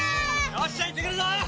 よっしゃ行ってくるぞ！